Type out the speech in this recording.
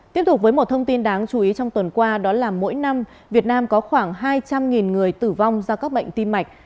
tiếp tục với một thông tin đáng chú ý trong tuần qua đó là mỗi năm việt nam có khoảng hai trăm linh người tử vong do các bệnh tim mạch